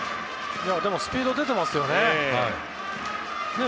でもスピード出てますよね。